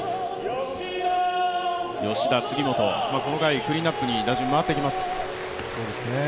吉田、杉本、この回クリーンナップに打順が回ってきます。